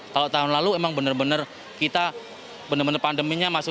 kalau tahun lalu kita benar benar pandeminya